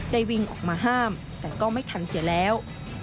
วิ่งออกมาห้ามแต่ก็ไม่ทันเสียแล้ว